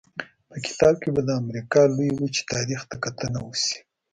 په کتاب کې به د امریکا لویې وچې تاریخ ته کتنه وشي.